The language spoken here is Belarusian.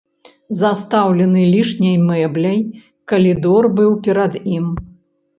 Застаўлены лішняй мэбляй калідор быў перад ім.